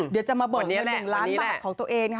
เดี๋ยวจะมาเบิกเงิน๑ล้านบาทของตัวเอง